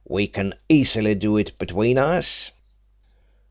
We can easily do it between us.'"